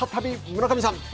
村上さん。